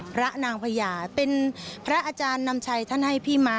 พระนางพญาเป็นพระอาจารย์นำชัยท่านให้พี่ม้า